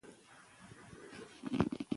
د خوړو رنګ طبيعي وساتئ.